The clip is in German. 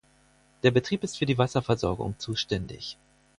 Der Betrieb ist für die Wasserversorgung zuständig.